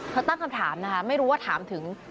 เขาตั้งคำถามนะคะไม่รู้ว่าถามถึง